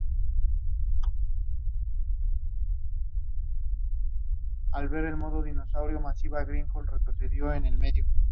Como se puede observar, el ejecutivo central conserva amplias competencias.